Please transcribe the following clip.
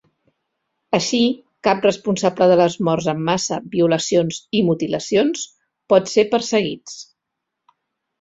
Així, cap responsable de les morts en massa, violacions i mutilacions pot ser perseguits.